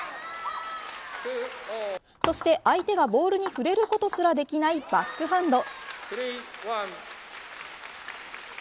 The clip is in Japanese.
そして相手がボールに触れることすらできないバックハンド。